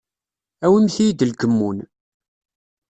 Awimt-iyi-d lkemmun.